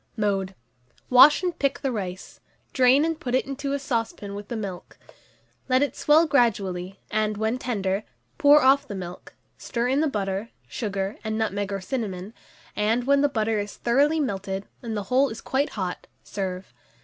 Mode. Wash and pick the rice, drain and put it into a saucepan with the milk; let it swell gradually, and, when tender, pour off the milk; stir in the butter, sugar, and nutmeg or cinnamon, and, when the butter is thoroughly melted, and the whole is quite hot, serve.